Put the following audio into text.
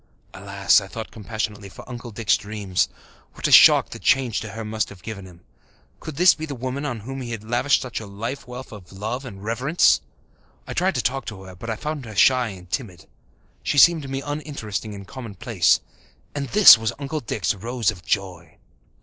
Alas, I thought compassionately, for Uncle Dick's dreams! What a shock the change to her must have given him! Could this be the woman on whom he had lavished such a life wealth of love and reverence? I tried to talk to her, but I found her shy and timid. She seemed to me uninteresting and commonplace. And this was Uncle Dick's Rose of joy!